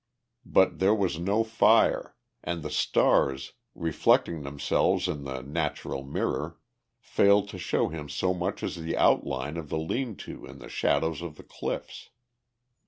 But there was no fire, and the stars, reflecting themselves in the natural mirror, failed to show him so much as the outline of the lean to in the shadows of the cliffs.